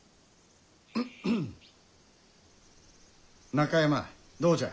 ・・中山どうじゃ？